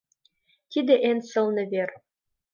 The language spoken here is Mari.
Тиде эн сылне вер.